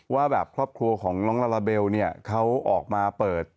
ว่าแบบครอบครัวของน้องลาลาเบลเนี่ยเขาออกมาเปิด